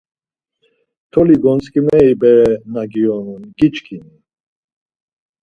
Toli gontzǩimeri bere na giyonun giçkini?